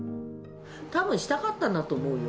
たぶんしたかったんだと思う。